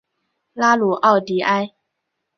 拉鲁奥迪埃。